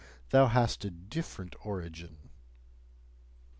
thou hast a different origin!"